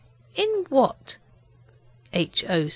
'In what?' H. O.